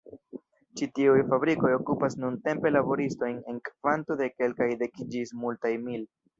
Ĉi tiuj fabrikoj okupas nuntempe laboristojn en kvanto de kelkaj dek ĝis multaj mil.